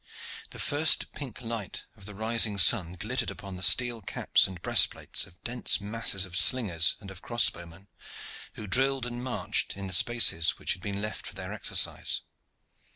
The first pink light of the rising sun glittered upon the steel caps and breastplates of dense masses of slingers and of crossbowmen, who drilled and marched in the spaces which had been left for their exercise.